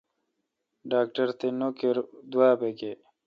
ڈاکٹر تے نوکر دوابہ گئے۔